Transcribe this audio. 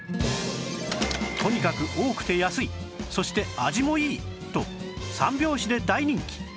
とにかく多くて安いそして味もいい！と三拍子で大人気